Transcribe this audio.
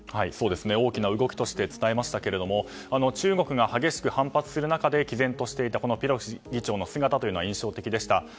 大きな動きとして伝えましたけれども中国が激しく反発する中で毅然としていたペロシ議長の姿は印象的でした。